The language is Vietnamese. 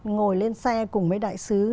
ngồi lên xe cùng với đại sứ